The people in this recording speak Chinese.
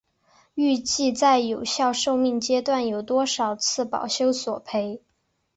预计在有效寿命阶段有多少次保修索赔？